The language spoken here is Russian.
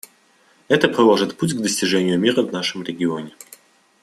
Это проложит путь к достижению мира в нашем регионе.